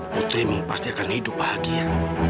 putrimu pasti akan hidup bahagia